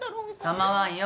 構わんよ。